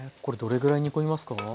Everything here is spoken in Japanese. これどれぐらい煮込みますか？